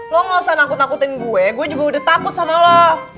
lo gausah takut dua in gue gue juga udah takut sama lo